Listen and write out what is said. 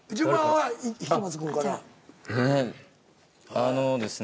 あのですね